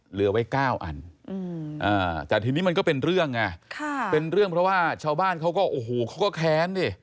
เหลือไว้๙อันแต่ทีนี้มันก็เป็นเรื่องไงเป็นเรื่องเพราะว่าชาวบ้านเขาก็โอ้โหเขาก็แค้นดิ